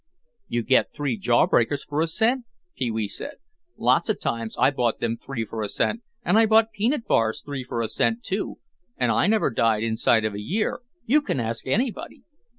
"You get three jawbreakers for a cent," Pee wee said. "Lots of times I bought them three for a cent, and I bought peanut bars three for a cent too, and I never died inside of a year, you can ask anybody."